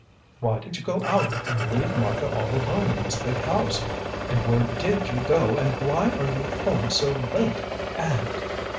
Why did you go out and leave Martha all alone in this big house, and where did you go, and why are you home so late, and